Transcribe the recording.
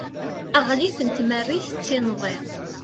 aɣlif n tmerrit d tinḍi